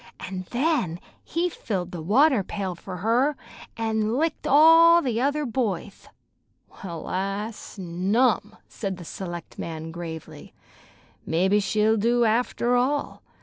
An' then he filled the water pail fer her, an' licked all the other boyth." "Well, I snum!" said the selectman gravely. "Mebbe she'll do, after all.